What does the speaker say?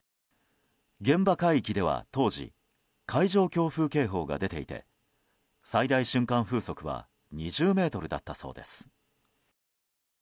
現場海域では当時海上強風警報が出ていて最大瞬間風速は２０メートルだったそうです。